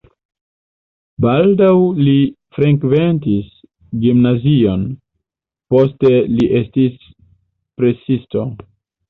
Baldaŭ li frekventis gimnazion, poste li estis presisto.